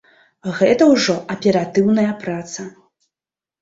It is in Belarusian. Гэта ўжо аператыўная праца.